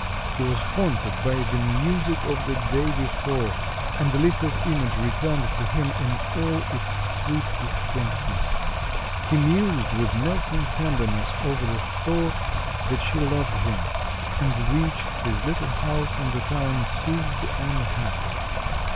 He was haunted by the music of the day before, and Lisa's image returned to him in all its sweet distinctness; he mused with melting tenderness over the thought that she loved him, and reached his little house in the town, soothed and happy.